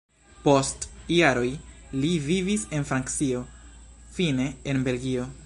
Post jaroj li vivis en Francio, fine en Belgio.